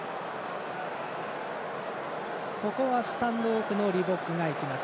ここはスタンドオフのリボックがいきます。